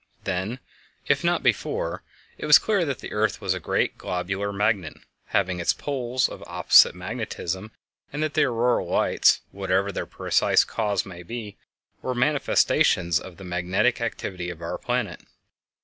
Then, if not before, it was clear that the earth was a great globular magnet, having its poles of opposite magnetism, and that the auroral lights, whatever their precise cause might be, were manifestations of the magnetic activity of our planet.